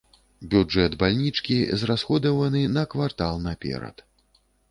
Бюджэт бальнічкі зрасходаваны на квартал наперад.